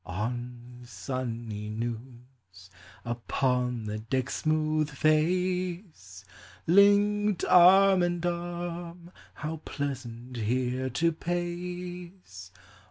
On sunny noons upon the deck's smooth face, Linked arm in arm, how pleasant here to pace